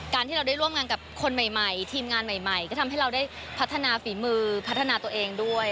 ที่เราได้ร่วมงานกับคนใหม่ทีมงานใหม่ก็ทำให้เราได้พัฒนาฝีมือพัฒนาตัวเองด้วย